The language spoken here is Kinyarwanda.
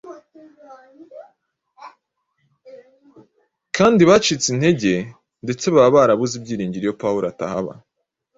kandi bacitse intege ndetse baba barabuze ibyiringiro iyo Pawulo atahaba,